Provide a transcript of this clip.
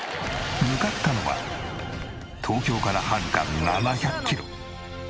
向かったのは東京からはるか７００キロ。